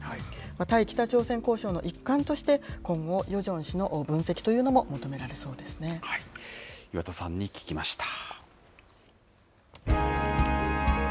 対北朝鮮交渉の一環として、今後、ヨジョン氏の分析というのも求め岩田さんに聞きました。